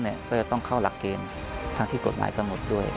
ก็จะต้องเข้าหลักเกณฑ์ทางที่กฎหมายกำหนดด้วย